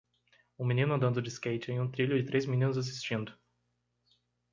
Um menino andando de skate em um trilho e três meninos assistindo.